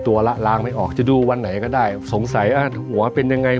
ละล้างไม่ออกจะดูวันไหนก็ได้สงสัยหัวเป็นยังไง